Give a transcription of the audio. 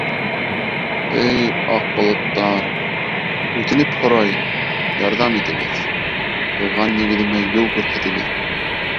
— Эй, аҡ болоттар, үтенеп һорайым, ярҙам итегеҙ, тыуған нигеҙемә юл күрһәтегеҙ!